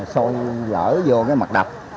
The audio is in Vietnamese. xôi lở vô cái mặt đập